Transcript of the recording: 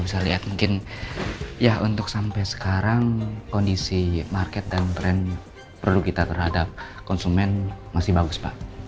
bisa lihat mungkin ya untuk sampai sekarang kondisi market dan tren produk kita terhadap konsumen masih bagus pak